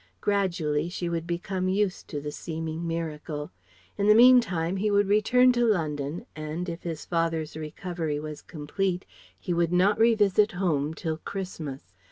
Gradually she would become used to the seeming miracle. In the meantime he would return to London, and if his father's recovery was complete he would not revisit "home" till Christmas.